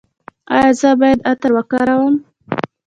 ایا زه باید عطر وکاروم؟